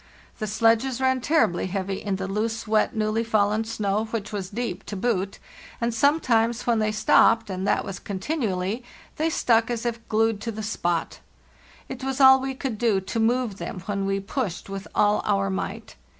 The sledges ran terribly heavy in the loose, wet, newly fallen snow, which was deep to boot; and sometimes when they stopped —and that was continually—they stuck as if glued to the spot. It was all we could do to move them when we pushed with all our might.